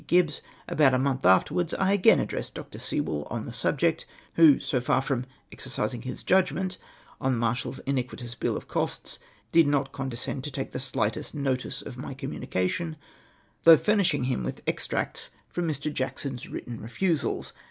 Giljhs) about a month afterwards, I again addressed Dr. Sewell on the subject, who, so iar from 'exercising his judgment' on the marshal's iniquitous bill of costs, did not condescend to take the slightest notice of my communication, though furnishing him with extracts from Mr. Jackson's written refusals.